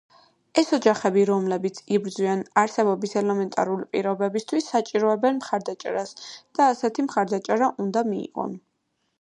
ეს ოჯახები, რომლებიც იბრძვიან არსებობის ელემენტარული პირობებისათვის, საჭიროებენ მხარდაჭერას და ასეთი მხარდაჭერა უნდა მიიღონ.